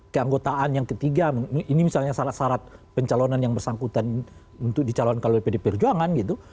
keanggotaan yang ketiga ini misalnya syarat syarat pencalonan yang bersangkutan untuk dicalonkan oleh pd perjuangan gitu